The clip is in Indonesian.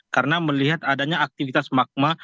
karena melihat adanya aktivitas magma